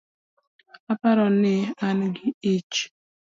Aparo ni an gi ich